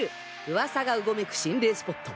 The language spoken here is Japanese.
ウワサがうごめく心霊スポット